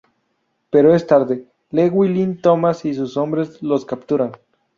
Pero es tarde, Llewellyn Thomas y sus hombres los capturan.